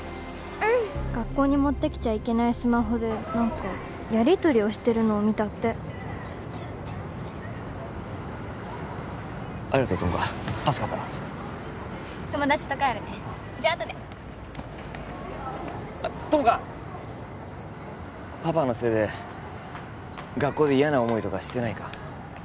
学校に持ってきちゃいけないスマホで何かやりとりをしてるのを見たってありがと友果助かった友達と帰るねじゃああとで友果パパのせいで学校で嫌な思いとかしてないか？